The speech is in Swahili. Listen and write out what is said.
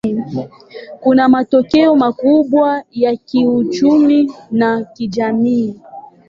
Kuna matokeo makubwa ya kiuchumi na kijamii.